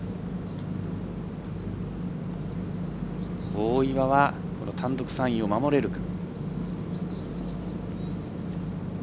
大岩は単独３位を守れるか。